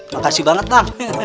makasih banget bang